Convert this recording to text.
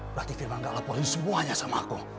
berarti firman nggak laporin semuanya sama aku